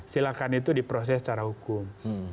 silahkan itu diproses secara hukum